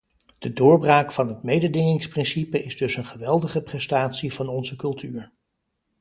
De doorbraak van het mededingingsprincipe is dus een geweldige prestatie van onze cultuur.